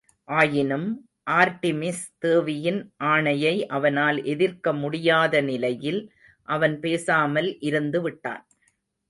ஆயினும், ஆர்ட்டிமிஸ் தேவியின் ஆணையை அவனால் எதிர்க்க முடியாத நிலையில், அவன் பேசாமல் இருந்துவிட்டான்.